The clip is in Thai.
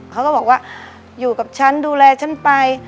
เขาก็บอกว่าอยู่กับฉันดูแลฉันไป